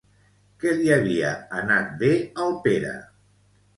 Què li havia anat bé al Pere?